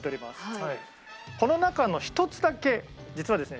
この中の１つだけ実はですね